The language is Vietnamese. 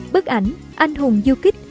bức ảnh anh hùng du kích